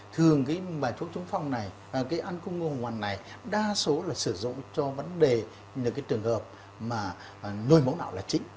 thường cái bài thuốc trúng phong này cái ăn cung ngư hoàng hoàng này đa số là sử dụng cho vấn đề những trường hợp mà nổi mẫu nào là chính